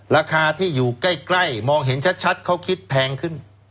ราคาที่อยู่ใกล้มองเห็นชัดเขาคิดแพงขึ้น